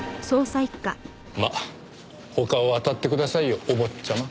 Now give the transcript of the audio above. まあ他を当たってくださいよお坊ちゃま。